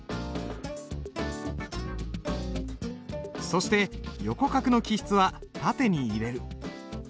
そして横画の起筆は縦に入れる。